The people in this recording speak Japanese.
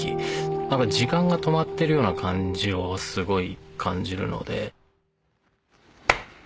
何か時間が止まってるような感じをすごい感じるので。